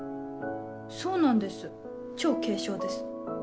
そうなんです超軽傷です。